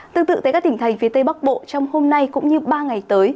tương tự tại các tỉnh thành phía tây bắc bộ trong hôm nay cũng như ba ngày tới